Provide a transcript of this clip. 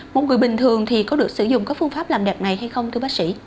một người bình thường thì có được sử dụng các phương pháp làm đẹp này hay không thưa bác sĩ